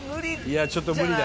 いやちょっと無理だな。